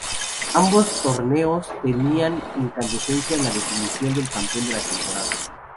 Ambos torneos tenían incidencia en la definición del campeón de la temporada.